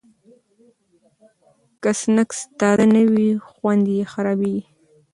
که سنکس تازه نه وي، خوند یې خرابېږي.